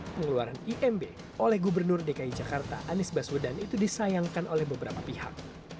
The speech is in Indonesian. pengeluaran imb oleh gubernur dki jakarta anies baswedan itu disayangkan oleh beberapa pihak